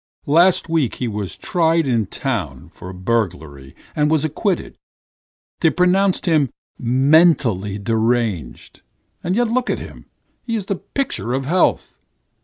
"Last week he was tried in the town for burglary and was acquitted; they pronounced him mentally deranged, and yet look at him, he is the picture of health.